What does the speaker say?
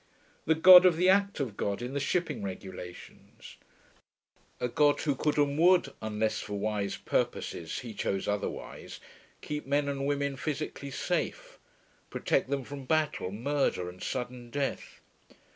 The God of the 'act of God' in the shipping regulations. A God who could, and would, unless for wise purposes he chose otherwise, keep men and women physically safe, protect them from battle, murder, and sudden death.